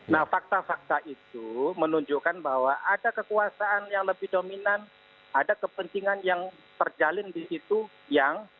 nah fakta fakta itu menunjukkan bahwa ada kekuasaan yang lebih dominan ada kepentingan yang terjalin di situ yang